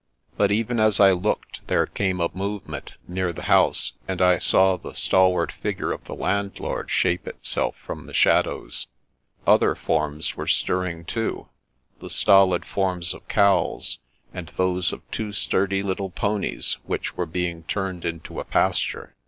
But even as I looked, there came a movement near the house, and I saw the stalwart figure of the landlord shape itself from the shadows. Other forms were stirring too, the stolid forms of cows, and those of two sturdy little ponies, which were being turned into a pasture.